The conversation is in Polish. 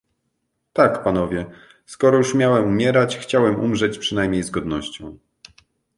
"Tak, panowie, skoro już miałem umierać, chciałem umrzeć przynajmniej z godnością."